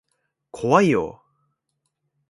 怖いよ。